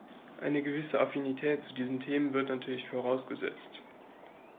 Eine gewisse Affinität zu diesen Themen wird natürlich vorausgesetzt.